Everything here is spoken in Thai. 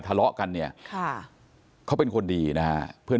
ตลอดทั้งคืนตลอดทั้งคืน